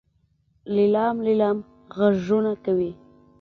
لیلام لیلام غږونه کوي.